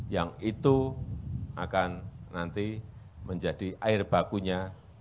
yang itu akan nanti menjadi air bakunya